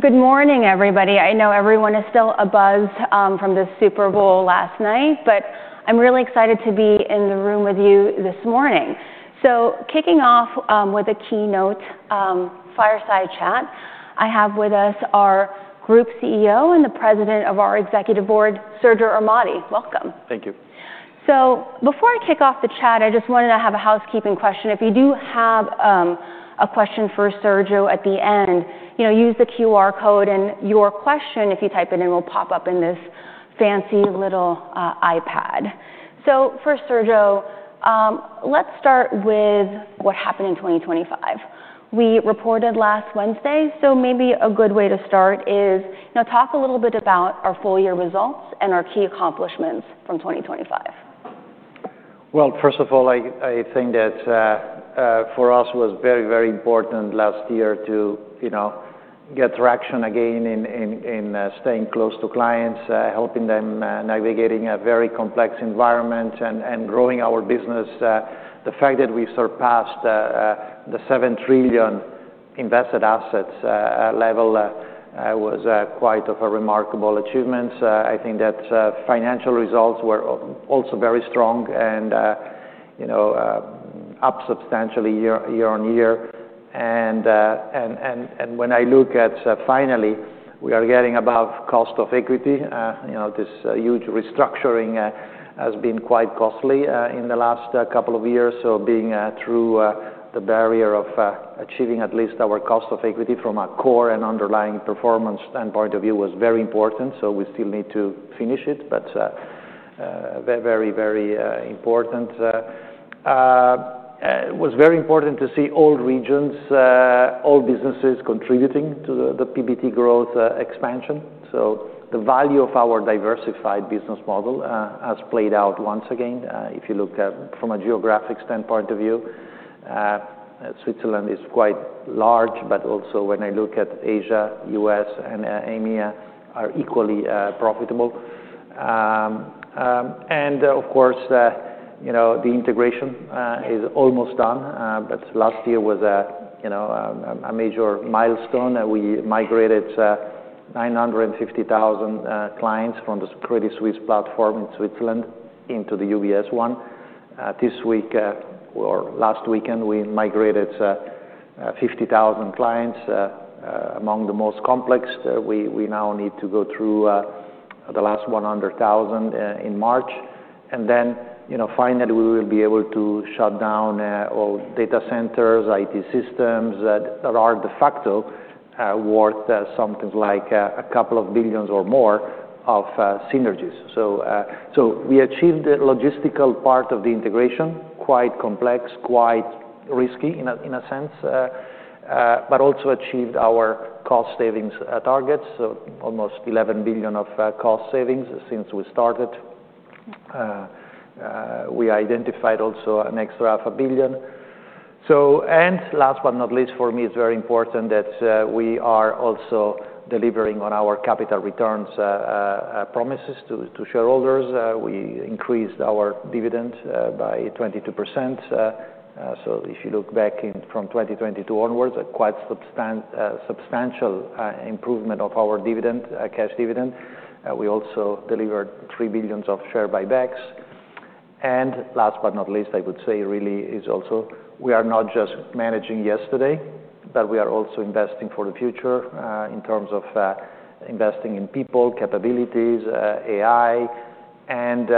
Good morning, everybody. I know everyone is still abuzz from the Super Bowl last night, but I'm really excited to be in the room with you this morning. So kicking off with a keynote fireside chat, I have with us our Group CEO and the President of our Executive Board, Sergio Ermotti. Welcome. Thank you. So before I kick off the chat, I just wanted to have a housekeeping question. If you do have a question for Sergio at the end, you know, use the QR code, and your question, if you type it in, will pop up in this fancy little iPad. So for Sergio, let's start with what happened in 2025. We reported last Wednesday, so maybe a good way to start is, you know, talk a little bit about our full year results and our key accomplishments from 2025. Well, first of all, I think that for us, it was very, very important last year to, you know, get traction again in staying close to clients, helping them navigating a very complex environment and growing our business. The fact that we surpassed the $7 trillion invested assets level was quite a remarkable achievement. I think that financial results were also very strong and, you know, up substantially year on year. And when I look at, finally, we are getting above cost of equity, you know, this huge restructuring has been quite costly in the last couple of years. So being through the barrier of achieving at least our cost of equity from a core and underlying performance standpoint of view was very important, so we still need to finish it, but very, very, very important. It was very important to see all regions, all businesses contributing to the PBT growth expansion. So the value of our diversified business model has played out once again. If you look at from a geographic standpoint of view, Switzerland is quite large, but also when I look at Asia, U.S., and EMEA, are equally profitable. And of course, you know, the integration is almost done, but last year was a you know a major milestone. We migrated 950,000 clients from the Credit Suisse platform in Switzerland into the UBS one. This week or last weekend, we migrated 50,000 clients among the most complex. We now need to go through the last 100,000 in March, and then, you know, finally, we will be able to shut down all data centers, IT systems that are de facto worth something like a couple of billion dollars or more of synergies. So we achieved the logistical part of the integration, quite complex, quite risky in a sense, but also achieved our cost savings targets. So almost $11 billion of cost savings since we started. We identified also an extra $500 million. And last but not least, for me, it's very important that we are also delivering on our capital returns promises to shareholders. We increased our dividend by 22%. So if you look back from 2022 onwards, a quite substantial improvement of our cash dividend. We also delivered $3 billion of share buybacks. And last but not least, I would say really is also, we are not just managing yesterday, but we are also investing for the future, in terms of investing in people, capabilities, AI, and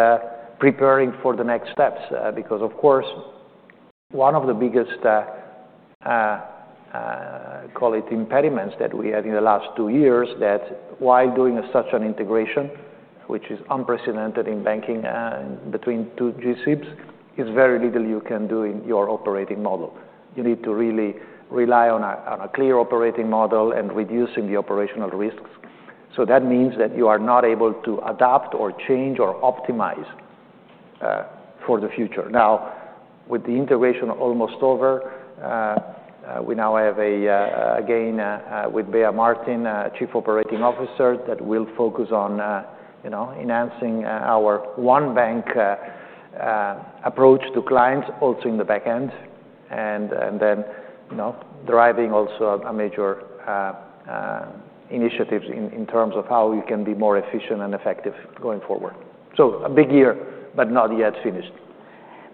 preparing for the next steps. Because, of course, one of the biggest, call it impediments that we had in the last two years, that while doing such an integration, which is unprecedented in banking, between two G-SIBs, is very little you can do in your operating model. You need to really rely on a, on a clear operating model and reducing the operational risks. So that means that you are not able to adapt or change or optimize, for the future. Now, with the integration almost over, we now have a, again, with Beatriz Martin, Chief Operating Officer, that will focus on, you know, enhancing, our One Bank, approach to clients also in the back end. And then, you know, deriving also a major initiatives in terms of how we can be more efficient and effective going forward. So a big year, but not yet finished.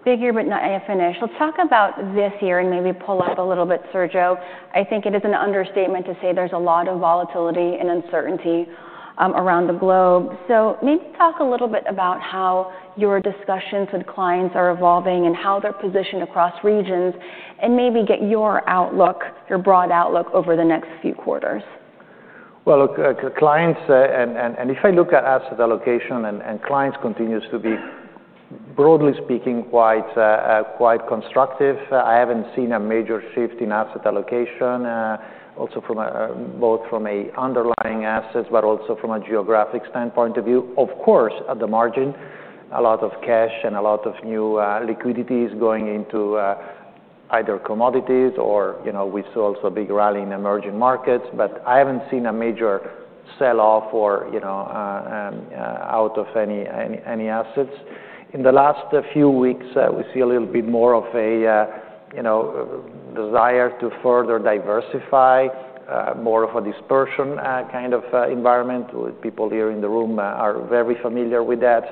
Big year, but not yet finished. Let's talk about this year and maybe pull out a little bit, Sergio. I think it is an understatement to say there's a lot of volatility and uncertainty, around the globe. So maybe talk a little bit about how your discussions with clients are evolving and how they're positioned across regions, and maybe get your outlook, your broad outlook over the next few quarters. Well, look, clients, and if I look at asset allocation and clients continues to be, broadly speaking, quite, quite constructive. I haven't seen a major shift in asset allocation, also from both underlying assets, but also from a geographic standpoint of view. Of course, at the margin, a lot of cash and a lot of new liquidities going into either commodities or, you know, we saw also a big rally in emerging markets, but I haven't seen a major sell-off or, you know, out of any assets. In the last few weeks, we see a little bit more of a, you know, desire to further diversify, more of a dispersion, kind of environment with people here in the room are very familiar with that.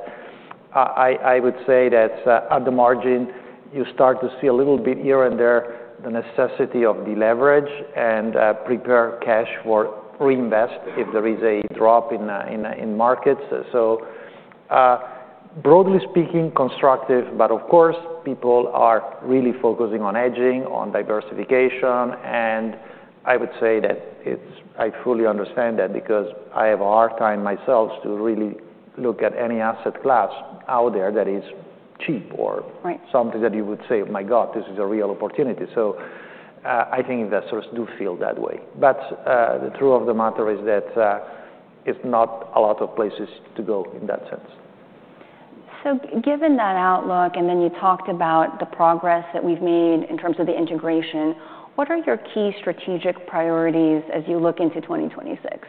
I would say that, at the margin, you start to see a little bit here and there, the necessity of the leverage and, prepare cash for reinvest if there is a drop in markets. So, broadly speaking, constructive, but of course, people are really focusing on hedging, on diversification, and I would say that it's- I fully understand that because I have a hard time myself to really look at any asset class out there that is cheap or something that you would say, "My God, this is a real opportunity." So, I think investors do feel that way. But, the truth of the matter is that, it's not a lot of places to go in that sense. Given that outlook, and then you talked about the progress that we've made in terms of the integration, what are your key strategic priorities as you look into 2026?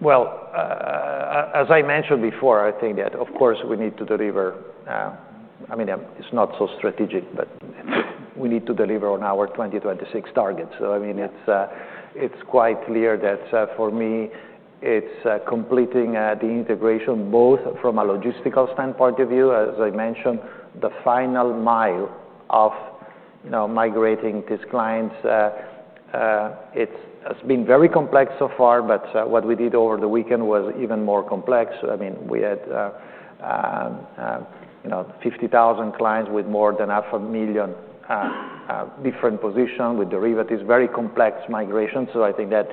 Well, as I mentioned before, I think that, of course, we need to deliver. I mean, it's not so strategic, but we need to deliver on our 2026 targets. So, I mean, it's quite clear that, for me, it's completing the integration, both from a logistical standpoint of view, as I mentioned, the final mile of, you know, migrating these clients. It has been very complex so far, but what we did over the weekend was even more complex. I mean, we had, you know, 50,000 clients with more than 500,000 different positions with derivatives, very complex migration. So I think that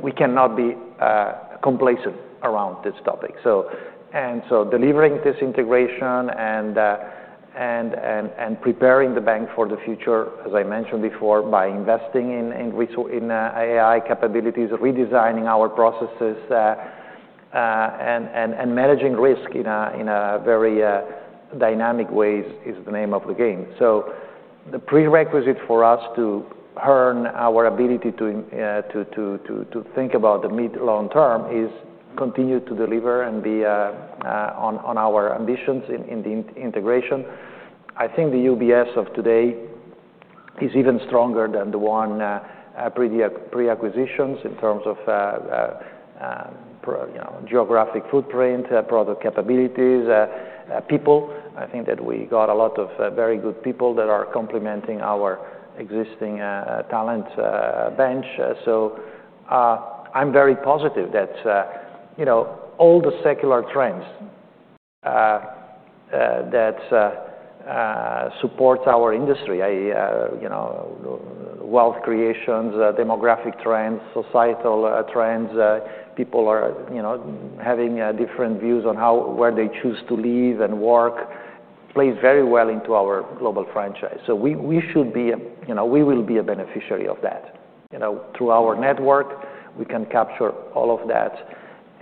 we cannot be complacent around this topic. Delivering this integration and preparing the bank for the future, as I mentioned before, by investing in AI capabilities, redesigning our processes, and managing risk in a very dynamic ways is the name of the game. So the prerequisite for us to earn our ability to think about the mid long term is continue to deliver and be on our ambitions in the integration. I think the UBS of today is even stronger than the one pre-acquisitions in terms of, you know, geographic footprint, product capabilities, people. I think that we got a lot of very good people that are complementing our existing talent bench. So, I'm very positive that, you know, all the secular trends that supports our industry, you know, wealth creations, demographic trends, societal trends, people are, you know, having different views on how, where they choose to live and work, plays very well into our global franchise. So we, we should be, you know, we will be a beneficiary of that. You know, through our network, we can capture all of that.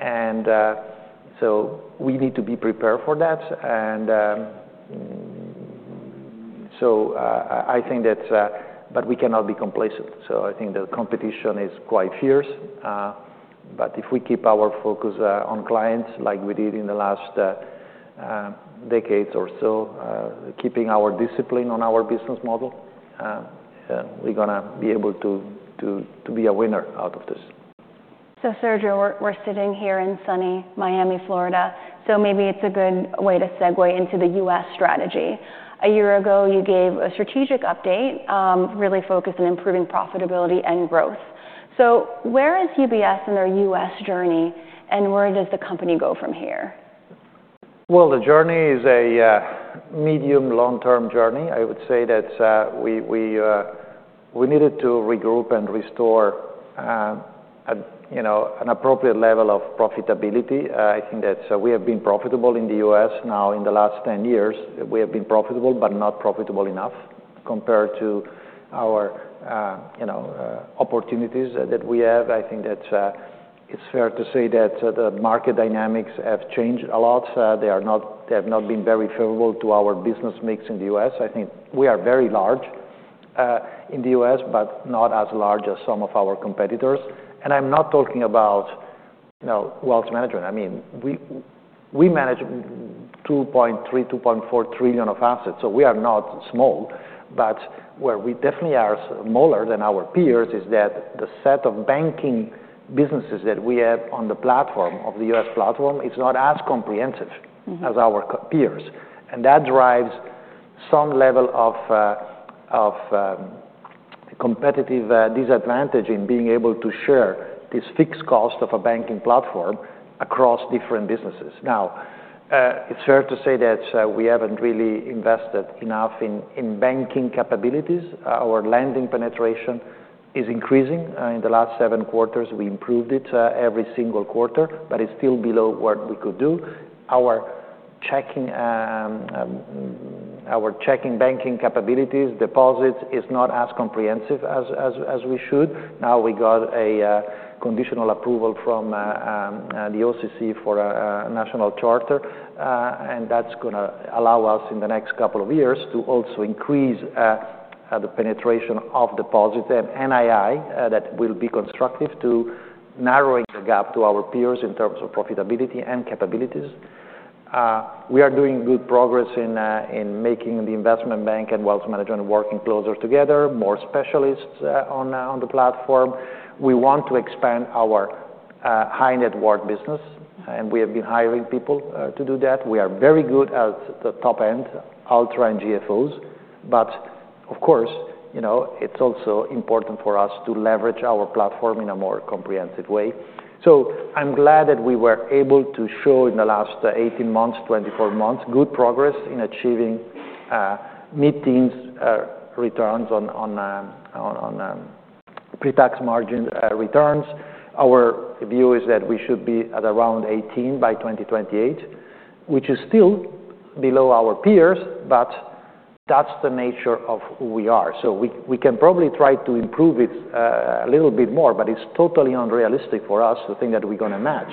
And, so we need to be prepared for that, and, so, I, I think that, but we cannot be complacent. So I think the competition is quite fierce, but if we keep our focus on clients like we did in the last decades or so, keeping our discipline on our business model, we're gonna be able to be a winner out of this. So, Sergio, we're sitting here in sunny Miami, Florida, so maybe it's a good way to segue into the U.S. strategy. A year ago, you gave a strategic update, really focused on improving profitability and growth. So where is UBS in their U.S. journey, and where does the company go from here? Well, the journey is a medium long-term journey. I would say that we needed to regroup and restore a you know an appropriate level of profitability. I think that we have been profitable in the U.S. now in the last 10 years. We have been profitable, but not profitable enough compared to our you know opportunities that we have. I think that it's fair to say that the market dynamics have changed a lot. They are not. They have not been very favorable to our business mix in the U.S. I think we are very large in the U.S., but not as large as some of our competitors. And I'm not talking about you know Wealth Management. I mean, we manage $2.3 trillion-$2.4 trillion of assets, so we are not small. But where we definitely are smaller than our peers is that the set of banking businesses that we have on the platform, of the U.S. platform, is not as comprehensive as our co-peers. And that drives some level of competitive disadvantage in being able to share this fixed cost of a banking platform across different businesses. Now, it's fair to say that we haven't really invested enough in banking capabilities. Our lending penetration is increasing. In the last seven quarters, we improved it every single quarter, but it's still below what we could do. Our checking banking capabilities, deposits, is not as comprehensive as we should. Now, we got a conditional approval from the OCC for a national charter, and that's gonna allow us in the next couple of years to also increase the penetration of deposit and NII, that will be constructive to narrowing the gap to our peers in terms of profitability and capabilities. We are doing good progress in making the Investment Bank and Wealth Management working closer together, more specialists on the platform. We want to expand our high-net-worth business, and we have been hiring people to do that. We are very good at the top end, ultra and GFOs. But of course, you know, it's also important for us to leverage our platform in a more comprehensive way. So I'm glad that we were able to show in the last 18 months, 24 months, good progress in achieving mid-teens returns on pre-tax margin returns. Our view is that we should be at around 18 by 2028, which is still below our peers, but that's the nature of who we are. So we, we can probably try to improve it, a little bit more, but it's totally unrealistic for us to think that we're gonna match,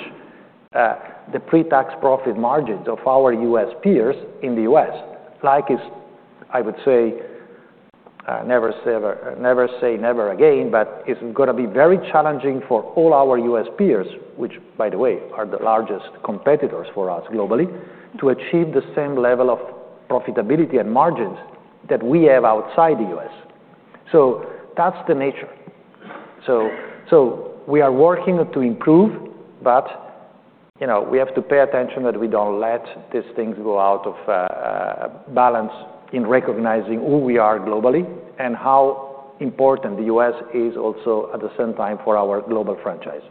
the pre-tax profit margins of our U.S. peers in the U.S. Like is, I would say, never say ever- never say never again, but it's gonna be very challenging for all our U.S. peers, which, by the way, are the largest competitors for us globally, to achieve the same level of profitability and margins that we have outside the U.S. So that's the nature. So we are working to improve, but, you know, we have to pay attention that we don't let these things go out of balance in recognizing who we are globally and how important the U.S. is also, at the same time, for our global franchise.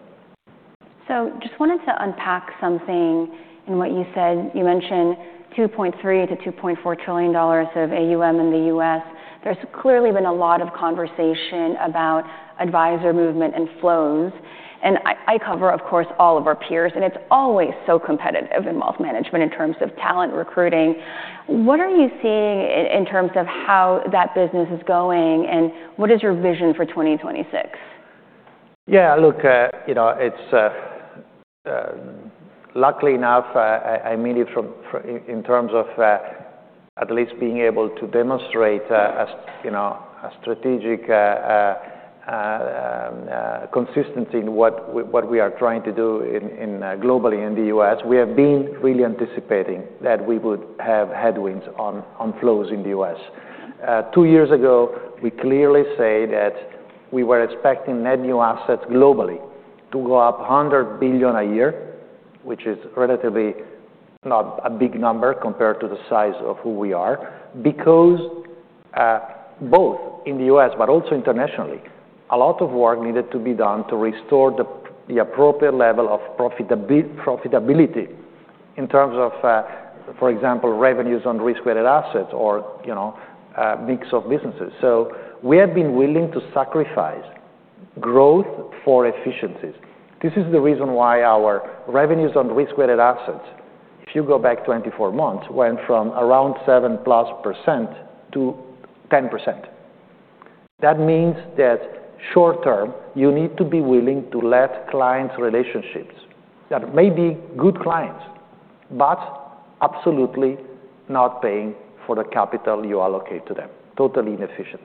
So just wanted to unpack something in what you said. You mentioned $2.3 trillion-$2.4 trillion of AUM in the U.S. There's clearly been a lot of conversation about advisor movement and flows. And I cover, of course, all of our peers, and it's always so competitive in Wealth Management in terms of talent recruiting. What are you seeing in terms of how that business is going, and what is your vision for 2026? Yeah, look, you know, it's luckily enough, I mean it from in terms of at least being able to demonstrate, as you know, a strategic consistency in what we are trying to do in globally in the U.S. We have been really anticipating that we would have headwinds on flows in the U.S. Two years ago, we clearly say that we were expecting net new assets globally to go up $100 billion a year, which is relatively not a big number compared to the size of who we are, because both in the U.S., but also internationally, a lot of work needed to be done to restore the appropriate level of profitability in terms of, for example, revenues on risk-weighted assets or, you know, mix of businesses. So we have been willing to sacrifice growth for efficiencies. This is the reason why our revenues on risk-weighted assets, if you go back 24 months, went from around 7%+ to 10%. That means that short term, you need to be willing to let clients' relationships, that may be good clients, but absolutely not paying for the capital you allocate to them. Totally inefficient.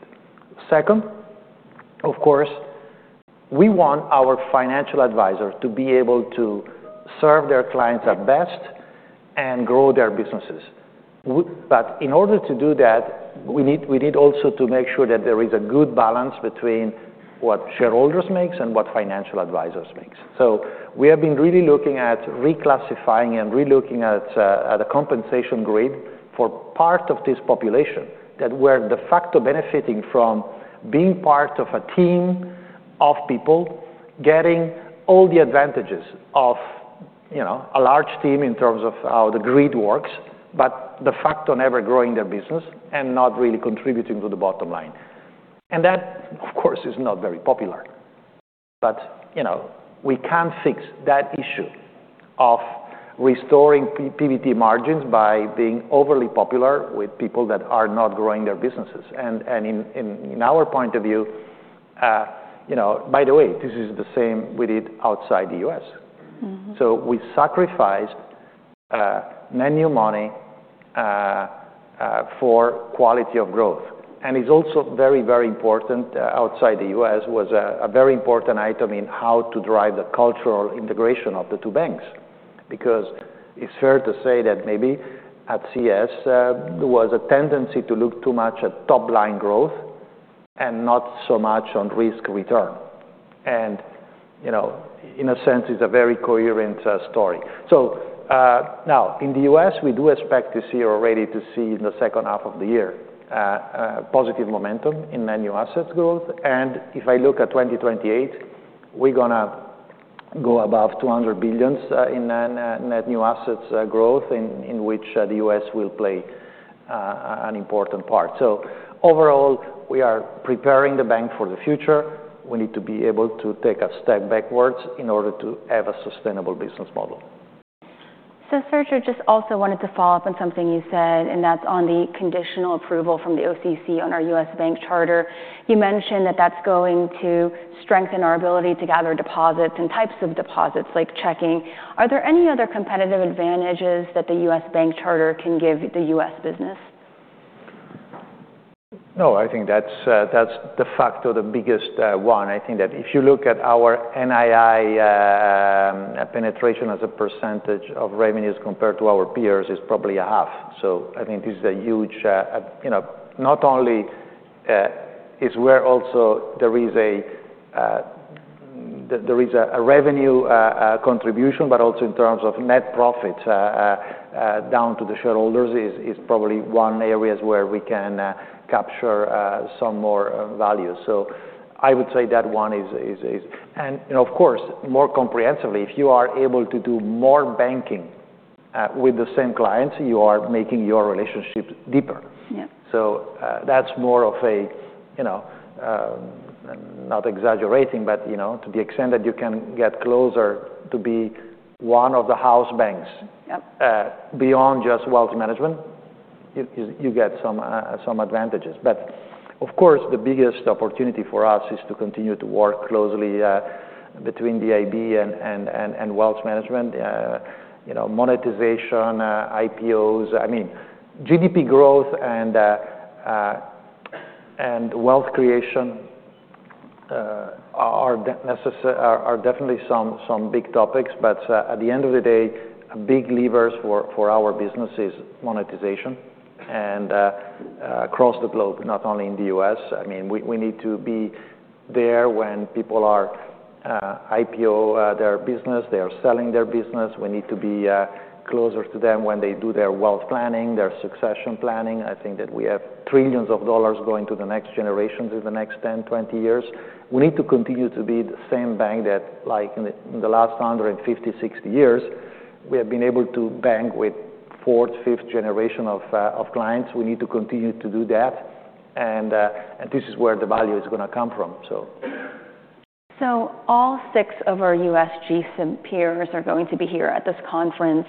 Second, of course, we want our financial advisors to be able to serve their clients at best and grow their businesses. But in order to do that, we need, we need also to make sure that there is a good balance between what shareholders makes and what financial advisors makes. So we have been really looking at reclassifying and relooking at a compensation grid for part of this population that were de facto benefiting from being part of a team of people, getting all the advantages of, you know, a large team in terms of how the grid works, but de facto never growing their business and not really contributing to the bottom line. And that, of course, is not very popular. But, you know, we can't fix that issue of restoring PBT margins by being overly popular with people that are not growing their businesses. And in our point of view, you know... By the way, this is the same we did outside the U.S. Mm-hmm. So we sacrificed marginal money for quality of growth. And it's also very, very important outside the U.S., was a very important item in how to drive the cultural integration of the two banks. Because it's fair to say that maybe at CS, there was a tendency to look too much at top-line growth and not so much on risk return. And, you know, in a sense, it's a very coherent story. So, now, in the U.S., we do expect to see, or ready to see in the second half of the year, positive momentum in net new assets growth. And if I look at 2028, we're gonna go above $200 billion in net new assets growth, in which the U.S. will play an important part. Overall, we are preparing the bank for the future. We need to be able to take a step backwards in order to have a sustainable business model. So Sergio, just also wanted to follow up on something you said, and that's on the conditional approval from the OCC on our U.S. bank charter. You mentioned that that's going to strengthen our ability to gather deposits and types of deposits, like checking. Are there any other competitive advantages that the U.S. bank charter can give the U.S. business? No, I think that's, that's de facto, the biggest, one. I think that if you look at our NII, penetration as a percentage of revenues compared to our peers, is probably a half. So I think this is a huge, you know, not only, is where also there is a, there is a, a revenue, contribution, but also in terms of net profits, down to the shareholders, is, is probably one areas where we can, capture, some more, value. So I would say that one is-- And, of course, more comprehensively, if you are able to do more banking, with the same clients, you are making your relationships deeper. Yeah. So, that's more of a, you know, not exaggerating, but, you know, to the extent that you can get closer to be one of the house banks, beyond just Wealth Management, you get some advantages. But of course, the biggest opportunity for us is to continue to work closely between the IB and Wealth Management, you know, monetization, IPOs. I mean, GDP growth and wealth creation are definitely some big topics, but at the end of the day, big levers for our business is monetization, and across the globe, not only in the U.S. I mean, we need to be there when people are IPO their business, they are selling their business. We need to be closer to them when they do their wealth planning, their succession planning. I think that we have $ trillions going to the next generations in the next 10, 20 years. We need to continue to be the same bank that, like, in the last 150-160 years, we have been able to bank with fourth, fifth generation of clients. We need to continue to do that, and this is where the value is gonna come from, so. So all six of our U.S. G-SIB peers are going to be here at this conference,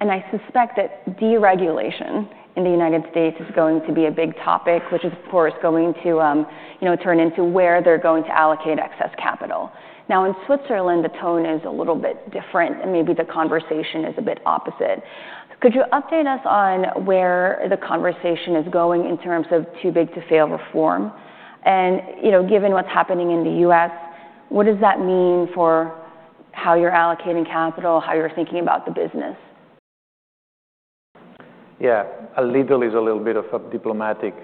and I suspect that deregulation in the United States is going to be a big topic, which is, of course, going to, you know, turn into where they're going to allocate excess capital. Now, in Switzerland, the tone is a little bit different, and maybe the conversation is a bit opposite. Could you update us on where the conversation is going in terms of too-big-to-fail reform? And, you know, given what's happening in the U.S., what does that mean for how you're allocating capital, how you're thinking about the business? Yeah. A little is a little bit of a diplomatic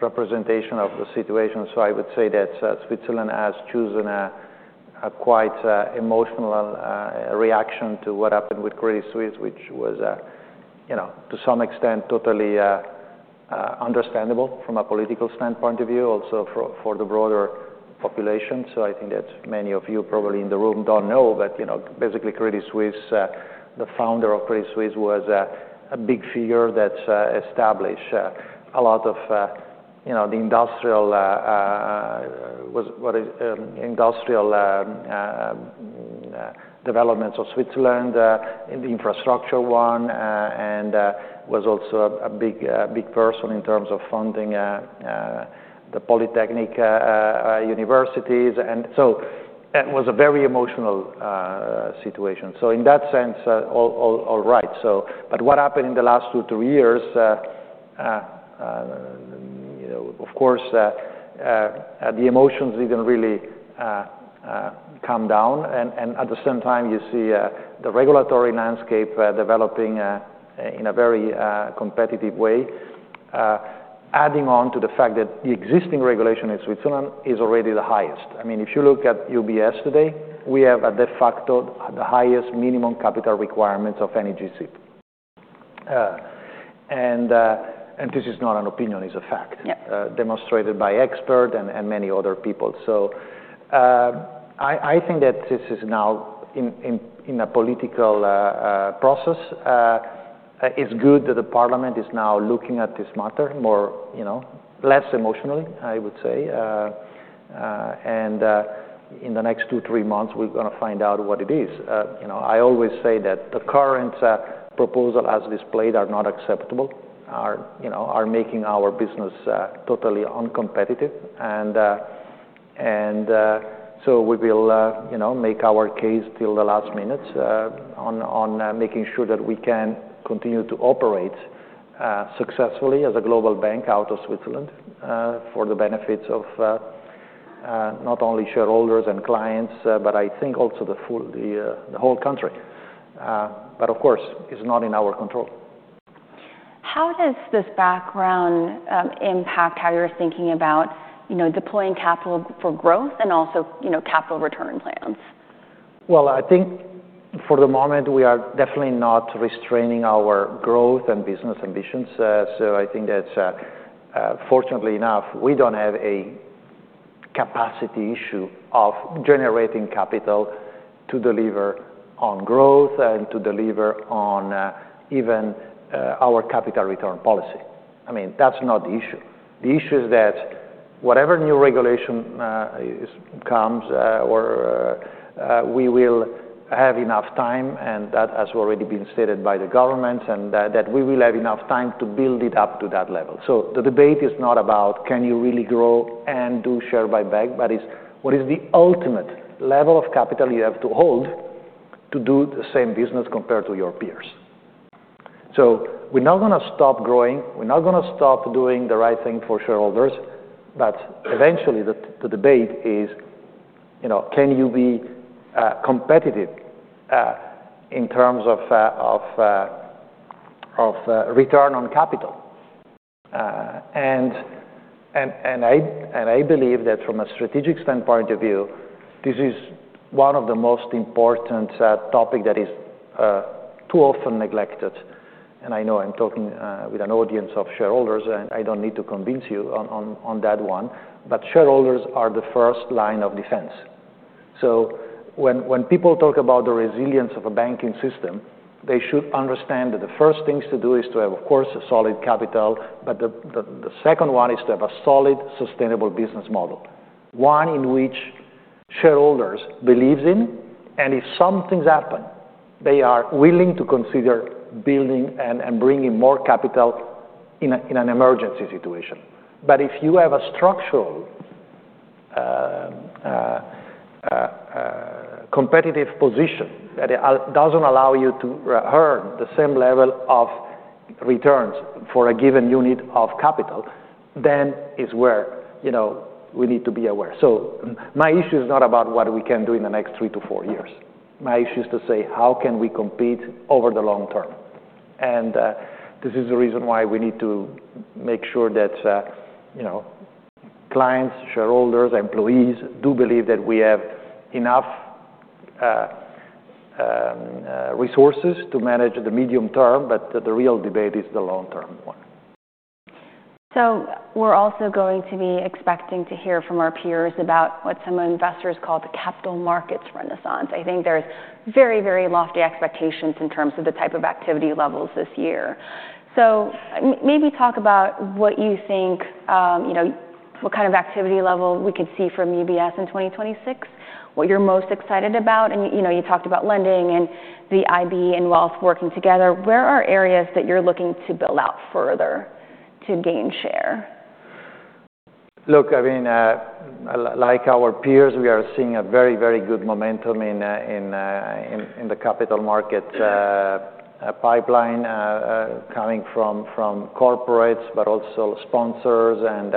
representation of the situation. So I would say that Switzerland has chosen a quite emotional reaction to what happened with Credit Suisse, which was, you know, to some extent, totally understandable from a political standpoint of view, also for the broader population. So I think that many of you, probably in the room, don't know, but, you know, basically, Credit Suisse, the founder of Credit Suisse, was a big figure that established a lot of, you know, the industrial developments of Switzerland in the infrastructure one, and was also a big person in terms of funding the Polytechnic universities. It was a very emotional situation. So in that sense, all right. But what happened in the last two to three years, you know, of course, the emotions didn't really calm down, and at the same time, you see, the regulatory landscape developing in a very competitive way, adding on to the fact that the existing regulation in Switzerland is already the highest. I mean, if you look at UBS today, we have de facto the highest minimum capital requirements of any G-SIB. And this is not an opinion, it's a fact demonstrated by expert and many other people. So, I think that this is now in a political process. It's good that the parliament is now looking at this matter more, you know, less emotionally, I would say. And in the next two, three months, we're gonna find out what it is. You know, I always say that the current proposal as displayed are not acceptable, you know, making our business totally uncompetitive. So we will, you know, make our case till the last minute, on making sure that we can continue to operate successfully as a global bank out of Switzerland, for the benefits of not only shareholders and clients, but I think also the whole country. But of course, it's not in our control. How does this background impact how you're thinking about, you know, deploying capital for growth and also, you know, capital return plans? Well, I think for the moment, we are definitely not restraining our growth and business ambitions. So I think that, fortunately enough, we don't have a capacity issue of generating capital to deliver on growth and to deliver on, even, our capital return policy. I mean, that's not the issue. The issue is that whatever new regulation comes, or, we will have enough time, and that has already been stated by the government, and that, that we will have enough time to build it up to that level. So the debate is not about, can you really grow and do share buyback, but it's: what is the ultimate level of capital you have to hold, to do the same business compared to your peers? So we're not gonna stop growing, we're not gonna stop doing the right thing for shareholders, but eventually, the debate is, you know, can you be competitive in terms of return on capital? And I believe that from a strategic standpoint of view, this is one of the most important topic that is too often neglected. And I know I'm talking with an audience of shareholders, and I don't need to convince you on that one, but shareholders are the first line of defense. So when people talk about the resilience of a banking system, they should understand that the first things to do is to have, of course, a solid capital, but the second one is to have a solid sustainable business model. One in which shareholders believes in, and if some things happen, they are willing to consider building and bringing more capital in an emergency situation. But if you have a structural competitive position that doesn't allow you to earn the same level of returns for a given unit of capital, then is where, you know, we need to be aware. So my issue is not about what we can do in the next three to four years. My issue is to say: How can we compete over the long term? And this is the reason why we need to make sure that, you know, clients, shareholders, employees, do believe that we have enough resources to manage the medium term, but the real debate is the long term one. So we're also going to be expecting to hear from our peers about what some investors call the capital markets renaissance. I think there's very, very lofty expectations in terms of the type of activity levels this year. So maybe talk about what you think, you know, what kind of activity level we could see from UBS in 2026, what you're most excited about. And, you know, you talked about lending and the IB and Wealth working together. Where are areas that you're looking to build out further to gain share? Look, I mean, like our peers, we are seeing a very, very good momentum in the capital market pipeline coming from corporates, but also sponsors and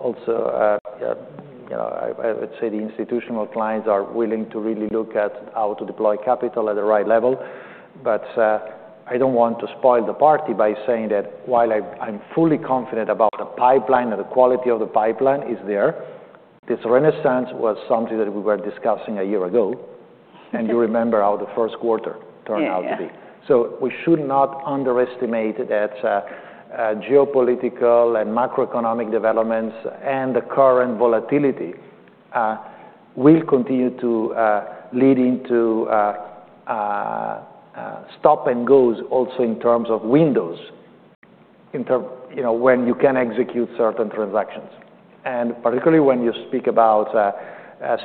also, you know, I would say the institutional clients are willing to really look at how to deploy capital at the right level. But I don't want to spoil the party by saying that while I'm fully confident about the pipeline and the quality of the pipeline is there, this renaissance was something that we were discussing a year ago—and you remember how the first quarter turned out to be. Yeah. We should not underestimate that, geopolitical and macroeconomic developments and the current volatility will continue to, leading to stop and goes also in terms of windows. You know, when you can execute certain transactions. Particularly when you speak about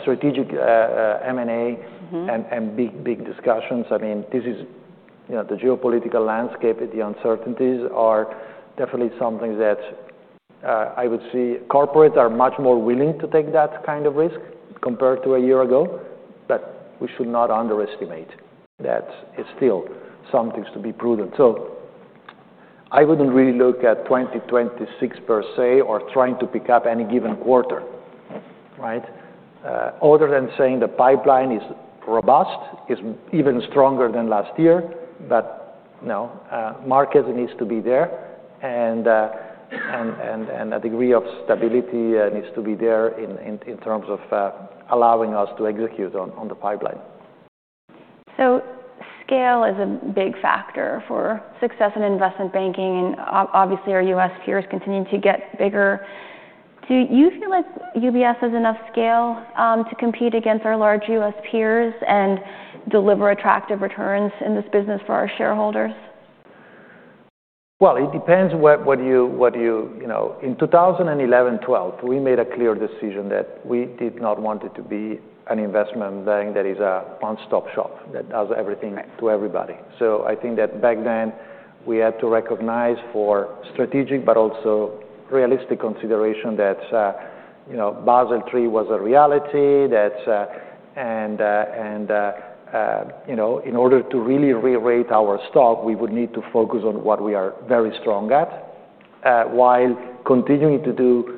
strategic M&A big, big discussions, I mean, this is, you know, the geopolitical landscape, the uncertainties are definitely some things that, I would say corporates are much more willing to take that kind of risk compared to a year ago. But we should not underestimate that it's still some things to be prudent. So I wouldn't really look at 2026 per se, or trying to pick up any given quarter. Right? Other than saying the pipeline is robust, is even stronger than last year, but, you know, markets needs to be there, and, and, and a degree of stability needs to be there in, in, in terms of allowing us to execute on, on the pipeline. Scale is a big factor for success in investment banking, and obviously, our U.S. peers continuing to get bigger. Do you feel like UBS has enough scale to compete against our large U.S. peers and deliver attractive returns in this business for our shareholders? Well, it depends what you... You know, in 2011 and 2012, we made a clear decision that we did not want it to be an investment bank that is a one-stop shop, that does everything to everybody. So I think that back then, we had to recognize for strategic but also realistic consideration that, you know, Basel III was a reality, that, and, and, you know, in order to really rerate our stock, we would need to focus on what we are very strong at, while continuing to do,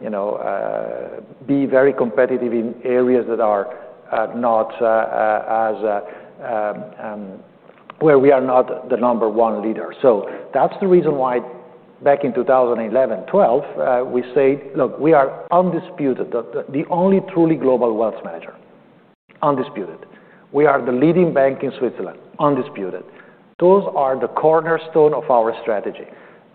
you know, be very competitive in areas that are not as... Where we are not the number one leader. So that's the reason why back in 2011, 2012, we say: Look, we are undisputed, the only truly global wealth manager, undisputed. We are the leading bank in Switzerland, undisputed. Those are the cornerstone of our strategy.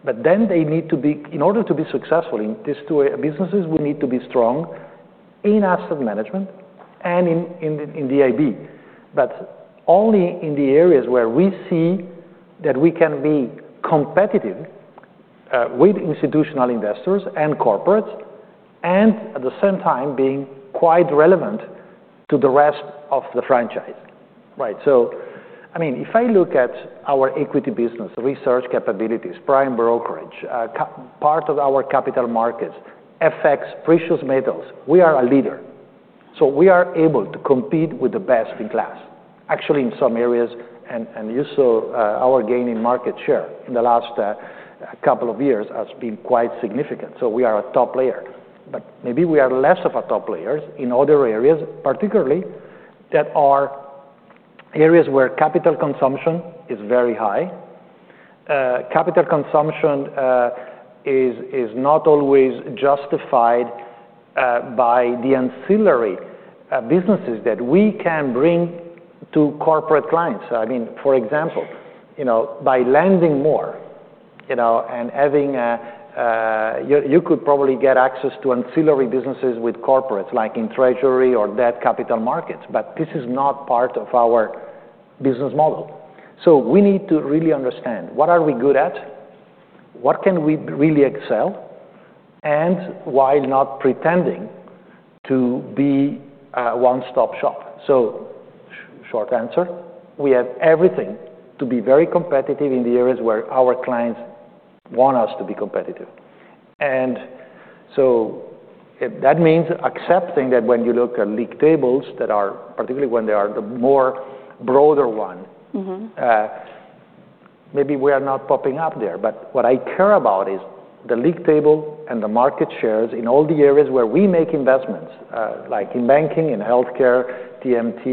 But then they need to be in order to be successful in these two businesses, we need to be strong in Asset Management and in the IB. But only in the areas where we see that we can be competitive with institutional investors and corporates, and at the same time, being quite relevant to the rest of the franchise. Right. So, I mean, if I look at our equity business, research capabilities, prime brokerage, part of our capital markets, FX, precious metals, we are a leader. So we are able to compete with the best in class. Actually, in some areas, and you saw our gain in market share in the last couple of years has been quite significant. So we are a top player. But maybe we are less of a top players in other areas, particularly that are areas where capital consumption is very high. Capital consumption is not always justified by the ancillary businesses that we can bring to corporate clients. I mean, for example, you know, by lending more, you know, and having a you could probably get access to ancillary businesses with corporates, like in treasury or debt capital markets, but this is not part of our business model. So we need to really understand what are we good at? What can we really excel? And while not pretending to be a one-stop shop. So short answer, we have everything to be very competitive in the areas where our clients want us to be competitive. And so if that means accepting that when you look at league tables that are, particularly when they are the more broader one. Mm-hmm. Maybe we are not popping up there. But what I care about is the league table and the market shares in all the areas where we make investments, like in banking, in healthcare, TMT,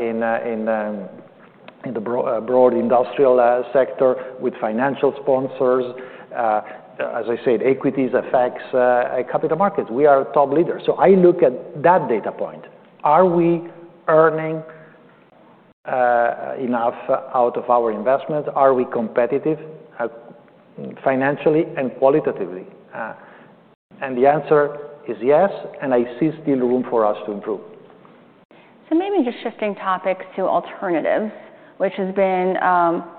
in the broad industrial sector, with financial sponsors, as I said, equities, FX, and capital markets; we are a top leader. So I look at that data point. Are we earning enough out of our investment? Are we competitive, financially and qualitatively? And the answer is yes, and I see still room for us to improve. Maybe just shifting topics to alternatives, which has been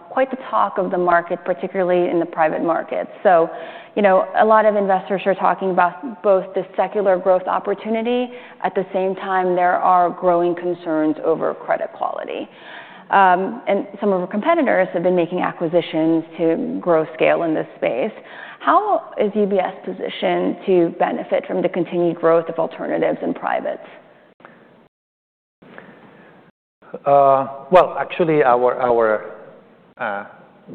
quite the talk of the market, particularly in the private market. So, you know, a lot of investors are talking about both the secular growth opportunity. At the same time, there are growing concerns over credit quality. And some of our competitors have been making acquisitions to grow scale in this space. How is UBS positioned to benefit from the continued growth of alternatives in privates? Well, actually, our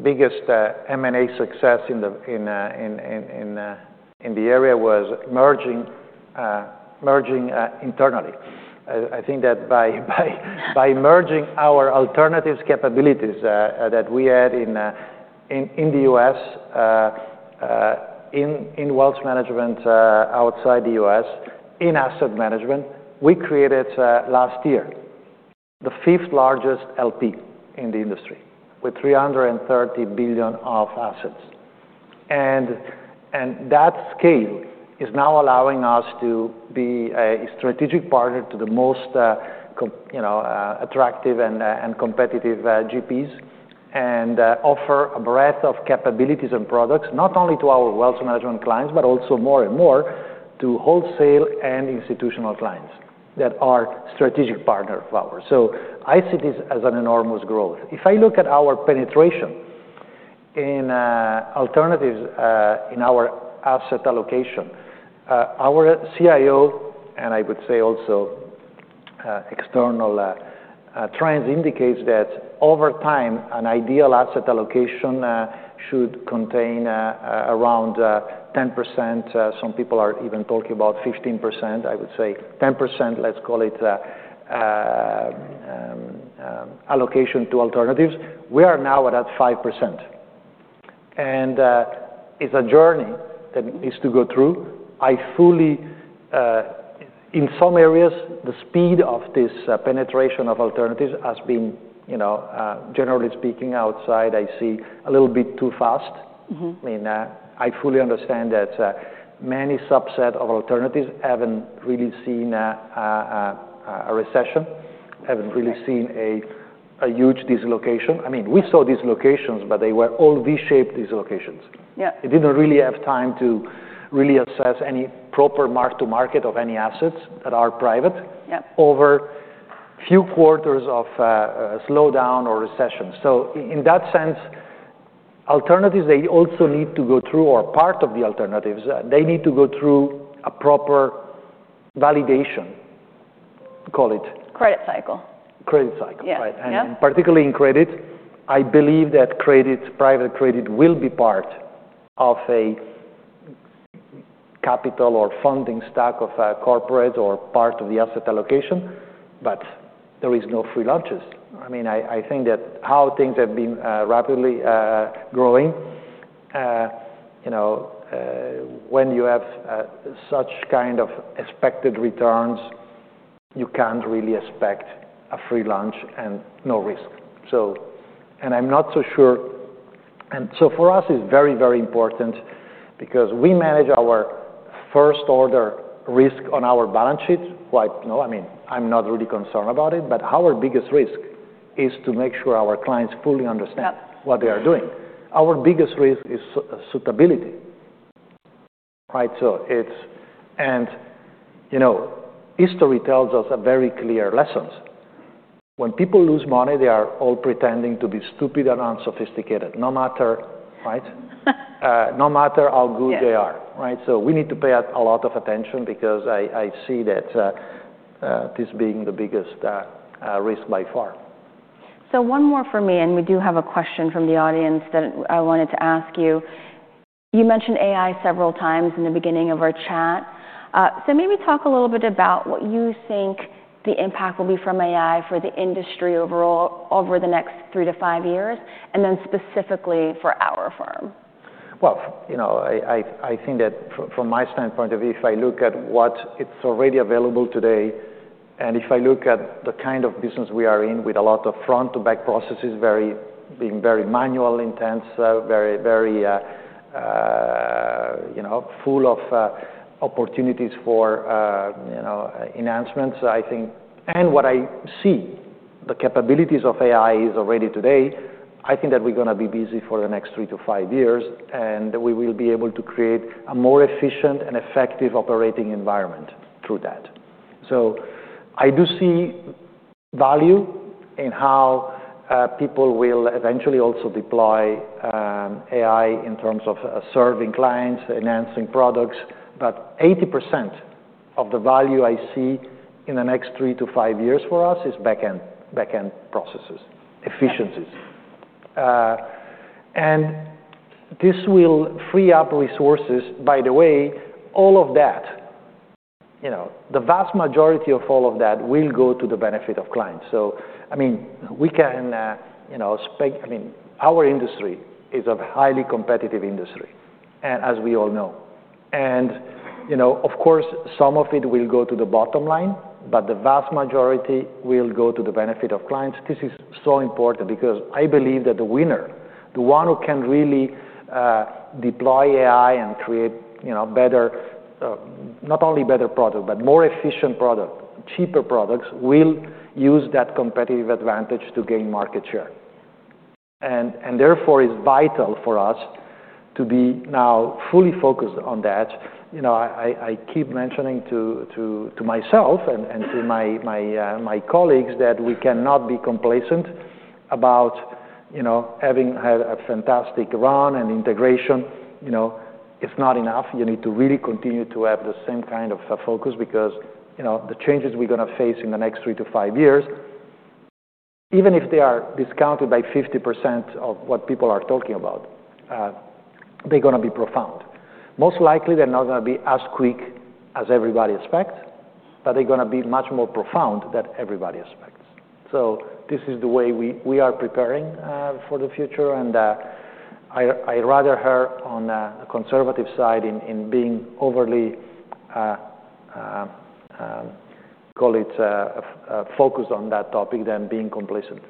biggest M&A success in the area was merging internally. I think that by merging our alternatives capabilities that we had in the U.S. in Wealth Management outside the U.S. in Asset Management, we created last year the fifth largest LP in the industry, with $330 billion of assets. And that scale is now allowing us to be a strategic partner to the most, you know, attractive and competitive GPs, and offer a breadth of capabilities and products, not only to our Wealth Management clients, but also more and more to wholesale and institutional clients that are strategic partner of ours. So I see this as an enormous growth. If I look at our penetration in alternatives, in our asset allocation, our CIO, and I would say also, external trends, indicates that over time, an ideal asset allocation should contain around 10%, some people are even talking about 15%, I would say 10%, let's call it, allocation to alternatives. We are now at 5%. And it's a journey that needs to go through. I fully... In some areas, the speed of this penetration of alternatives has been, you know, generally speaking, outside, I see a little bit too fast. Mm-hmm. I mean, I fully understand that many subset of Alternatives haven't really seen a recession, haven't really seen a huge dislocation. I mean, we saw dislocations, but they were all V-shaped dislocations. Yeah. They didn't really have time to really assess any proper mark-to-market of any assets that are private over few quarters of a slowdown or recession. So in that sense, alternatives, they also need to go through, or part of the alternatives, they need to go through a proper validation, call it. Credit cycle. Credit cycle. Yeah. Right. Yep. Particularly in credit, I believe that credits, private credit, will be part of a capital or funding stack of a corporate or part of the asset allocation, but there is no free lunches. I mean, I think that how things have been rapidly growing, you know, when you have such kind of expected returns, you can't really expect a free lunch and no risk. So I'm not so sure. And so for us, it's very, very important because we manage our first order risk on our balance sheet. No, I mean, I'm not really concerned about it, but our biggest risk is to make sure our clients fully understand what they are doing. Our biggest risk is suitability. Right, so it's. You know, history tells us a very clear lessons. When people lose money, they are all pretending to be stupid and unsophisticated, no matter, right? No matter how good they are. Right? So we need to pay a lot of attention because I see that this being the biggest risk by far. So one more for me, and we do have a question from the audience that I wanted to ask you. You mentioned AI several times in the beginning of our chat. So maybe talk a little bit about what you think the impact will be from AI for the industry overall over the next three to five years, and then specifically for our firm. Well, you know, I think that from my standpoint of view, if I look at what it's already available today, and if I look at the kind of business we are in with a lot of front-to-back processes, very manual intense, very, very, you know, full of, you know, opportunities for, you know, enhancements, I think. And what I see, the capabilities of AI is already today, I think that we're gonna be busy for the next three to five years, and we will be able to create a more efficient and effective operating environment through that. So I do see value in how people will eventually also deploy AI in terms of serving clients, enhancing products, but 80% of the value I see in the next three to five years for us is back-end, back-end processes, efficiencies. And this will free up resources. By the way, all of that, you know, the vast majority of all of that will go to the benefit of clients. So, I mean, we can, you know, I mean, our industry is a highly competitive industry, and as we all know. And, you know, of course, some of it will go to the bottom line, but the vast majority will go to the benefit of clients. This is so important because I believe that the winner, the one who can really, deploy AI and create, you know, better, not only better product, but more efficient product, cheaper products, will use that competitive advantage to gain market share. And therefore, it's vital for us to be now fully focused on that. You know, I keep mentioning to myself and to my colleagues that we cannot be complacent about, you know, having had a fantastic run and integration. You know, it's not enough. You need to really continue to have the same kind of focus because, you know, the changes we're gonna face in the next three to five years, even if they are discounted by 50% of what people are talking about, they're gonna be profound. Most likely, they're not gonna be as quick as everybody expects, but they're gonna be much more profound than everybody expects. So this is the way we are preparing for the future, and I rather err on the conservative side in being overly focused on that topic than being complacent.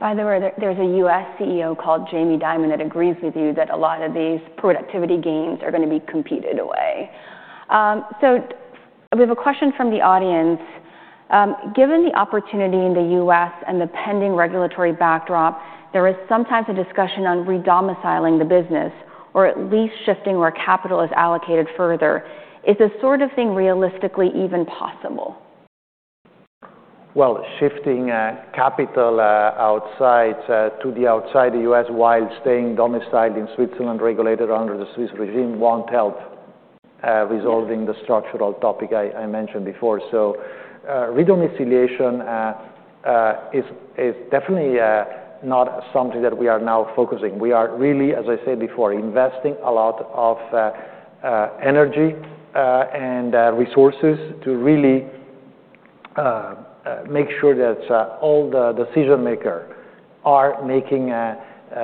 By the way, there's a U.S. CEO called Jamie Dimon that agrees with you that a lot of these productivity gains are gonna be competed away. So we have a question from the audience. Given the opportunity in the U.S. and the pending regulatory backdrop, there is sometimes a discussion on re-domiciling the business or at least shifting where capital is allocated further. Is this sort of thing realistically even possible? Well, shifting capital outside to the outside the U.S. while staying domiciled in Switzerland, regulated under the Swiss regime, won't help resolving the structural topic I, I mentioned before. So, re-domiciliation is definitely not something that we are now focusing. We are really, as I said before, investing a lot of energy and resources to really make sure that all the decision-maker are making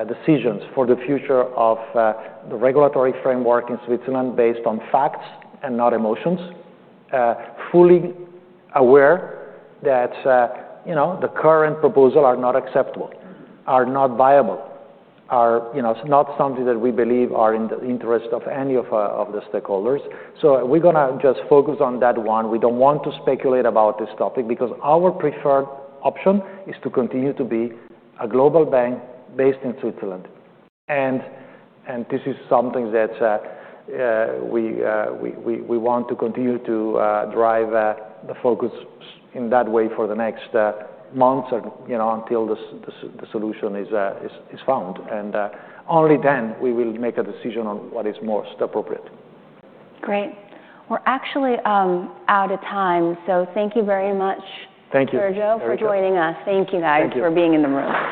decisions for the future of the regulatory framework in Switzerland based on facts and not emotions. Fully aware that, you know, the current proposal are not acceptable, are not viable, are, you know, not something that we believe are in the interest of any of, of the stakeholders. So we're gonna just focus on that one. We don't want to speculate about this topic because our preferred option is to continue to be a global bank based in Switzerland. And this is something that we want to continue to drive the focus in that way for the next months or, you know, until the solution is found. And only then we will make a decision on what is most appropriate. Great. We're actually out of time, so thank you very much. Thank you. Sergio, for joining us. Thank you, guys for being in the room. Thank you.